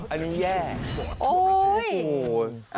อันนี้แย่